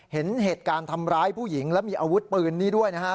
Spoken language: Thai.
เห็นเหตุการณ์ทำร้ายผู้หญิงและมีอาวุธปืนนี้ด้วยนะครับ